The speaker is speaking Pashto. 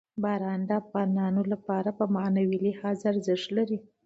باران د افغانانو لپاره په معنوي لحاظ ارزښت لري.